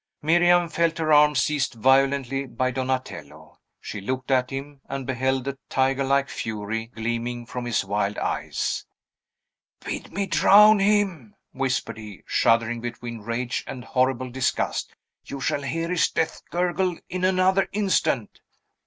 Miriam felt her arm seized violently by Donatello. She looked at him, and beheld a tigerlike fury gleaming from his wild eyes. "Bid me drown him!" whispered he, shuddering between rage and horrible disgust. "You shall hear his death gurgle in another instant!"